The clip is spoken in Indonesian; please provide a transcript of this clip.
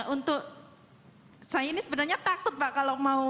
untuk saya ini sebenarnya takut pak kalau mau